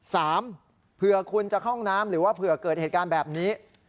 เผื่อคุณจะเข้าห้องน้ำหรือว่าเผื่อเกิดเหตุการณ์แบบนี้